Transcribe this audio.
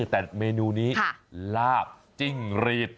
แต่เมนูนี้ลาบจิ้งรีด